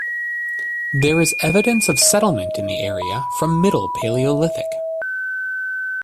There is evidence of settlement in the area from Middle Paleolithic.